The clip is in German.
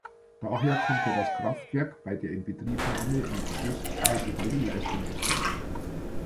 Daher konnte das Kraftwerk bei der Inbetriebnahme im August nur die halbe Leistung erzeugen.